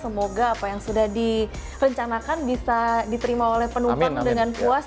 semoga apa yang sudah direncanakan bisa diterima oleh penumpang dengan puas